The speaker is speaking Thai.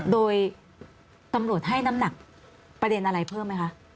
โดยตำรวจให้น้ำหนักประเด็นอะไรเพิ่มไหมคะ